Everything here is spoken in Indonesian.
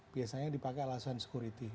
biasanya dipakai alasan security